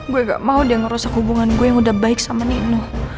gue gak mau dia ngerusak hubungan gue yang udah baik sama nino